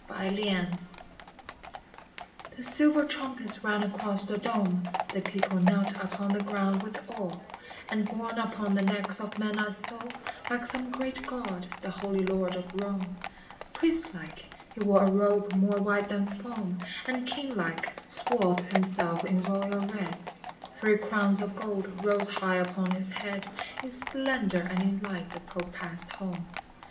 [6 9 ] EASTER DAY THE silver trumpets rang across the Dome : The people knelt upon the ground with awe : And borne upon the necks of men I saw, Like some great God, the Holy Lord of Rome. Priest like, he wore a robe more white than foam, And, king like, swathed himself in royal red, Three crowns of gold rose high upon his head : In splendor and in light the Pope passed home.